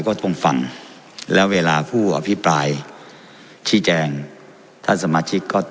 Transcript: ก็ต้องฟังแล้วเวลาผู้อภิปรายชี้แจงท่านสมาชิกก็